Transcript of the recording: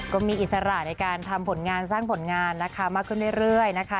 อิสระในการทำผลงานสร้างผลงานนะคะมากขึ้นเรื่อยนะคะ